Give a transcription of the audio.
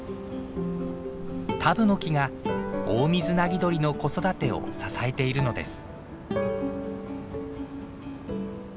タブノキがオオミズナギドリの子育てを支えているのです。